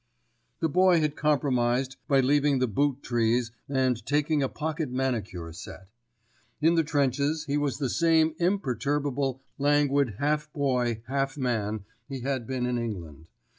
The Boy had compromised by leaving the boot trees and taking a pocket manicure set. In the trenches he was the same imperturbable, languid half boy, half man he had been in England.